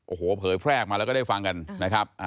โอ้โหเผยแพร่ออกมาแล้วก็ได้ฟังกันนะครับ